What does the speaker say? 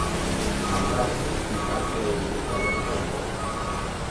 Alde batetik, migrazioei buruz galdetuko diegu.